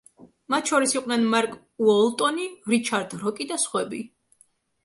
მათ შორის იყვნენ მარკ უოლტონი, რიჩარდ როკი და სხვები.